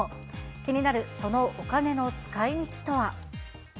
気になるそのお金の使いみちとは。